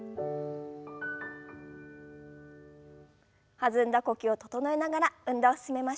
弾んだ呼吸を整えながら運動を進めましょう。